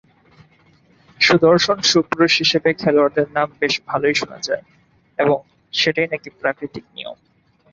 সুদর্শন-সুপুরুষ হিসেবে খেলোয়াড়দের নাম বেশ ভালোই শোনা যায় এবং সেটাই নাকি প্রাকৃতিক নিয়ম।